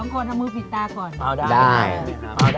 ๒คนทำมือพีตตาก่อน